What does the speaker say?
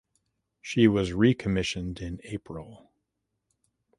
She was recommissioned in April.